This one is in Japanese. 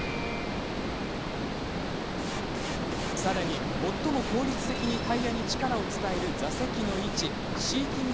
さらに、最も効率的にタイヤに力を伝える座席の位置シーティング